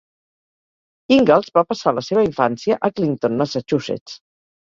Ingalls va passar la seva infància a Clinton, Massachusetts.